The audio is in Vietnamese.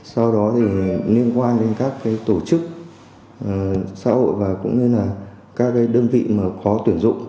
sau đó thì liên quan đến các tổ chức xã hội và cũng như là các đơn vị mà khó tuyển dụng